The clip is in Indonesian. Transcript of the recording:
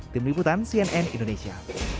tim liputan cnn indonesia